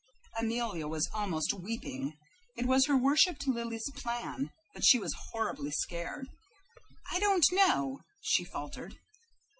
Amelia was almost weeping. It was her worshiped Lily's plan, but she was horribly scared. "I don't know," she faltered.